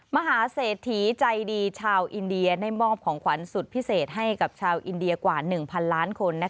มหาเศรษฐีใจดีชาวอินเดียได้มอบของขวัญสุดพิเศษให้กับชาวอินเดียกว่า๑๐๐ล้านคน